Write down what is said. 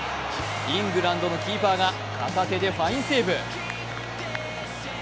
イングランドのキーパーが片手でファインセーブ。